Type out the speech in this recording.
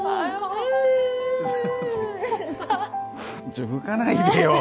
ちょっと拭かないでよ！